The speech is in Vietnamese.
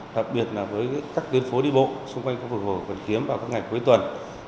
đặc biệt là với các tuyến phố đi bộ xung quanh khu vực hồ quần kiếm vào các ngày cuối tuần